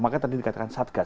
maka tadi dikatakan satgas